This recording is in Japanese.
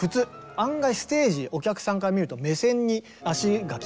案外ステージお客さんから見ると目線に足が来たりするんですよ。